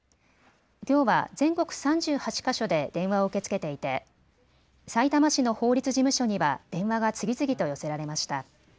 きょうは全国３８か所で電話を受け付けていて、さいたま市の法律事務所には電話が次々と寄せられました。